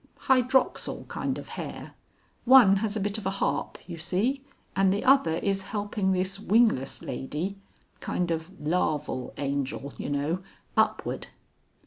Hydroxyl kind of hair. One has a bit of a harp, you see, and the other is helping this wingless lady kind of larval Angel, you know upward."